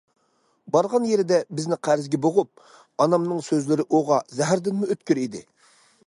بارغان يېرىدە بىزنى قەرزگە بوغۇپ... ئانامنىڭ سۆزلىرى ئوغا، زەھەردىنمۇ ئۆتكۈر ئىدى.